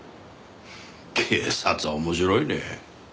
警察は面白いね。